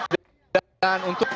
dan untuk dihentikan